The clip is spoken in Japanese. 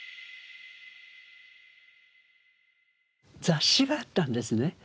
雑誌があったんですね。